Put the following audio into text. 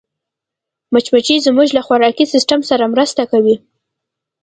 مچمچۍ زموږ له خوراکي سیسټم سره مرسته کوي